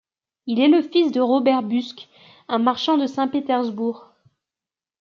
Il est le fils de Robert Busk, un marchand de Saint-Pétersbourg.